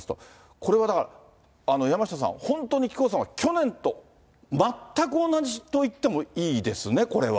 これはだから、山下さん、本当に紀子さまは、去年と全く同じといってもいいですね、これは。